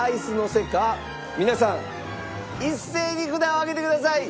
皆さん一斉に札を上げてください。